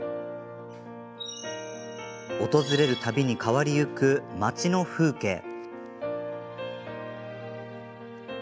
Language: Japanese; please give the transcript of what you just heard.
訪れるたびに変わりゆく町の風景。